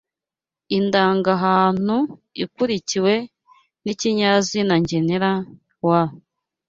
indangahantu ikurikiwe n’ikinyazina ngenera wa